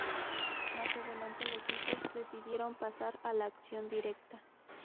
Más adelante, los Hijos decidieron pasar a la acción directa.